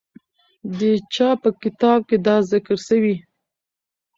د چا په کتاب کې دا ذکر سوی؟